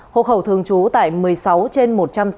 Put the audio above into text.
hộ khẩu thường trú tại một mươi sáu trên một trăm tám mươi